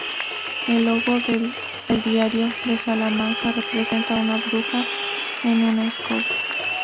El logo de El Diario de Salamanca, representa a una bruja en una escoba.